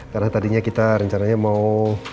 karena tadinya kita rencananya mau